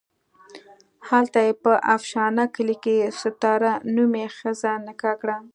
هلته یې په افشنه کلي کې ستاره نومې ښځه نکاح کړه.